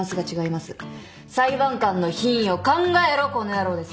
裁判官の品位を考えろこの野郎です。